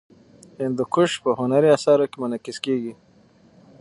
هندوکش په هنري اثارو کې منعکس کېږي.